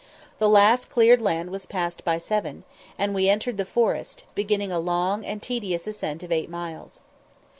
The last cleared land was passed by seven, and we entered the forest, beginning a long and tedious ascent of eight miles.